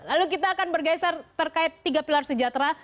lalu kita akan bergeser terkait tiga pilar sejahtera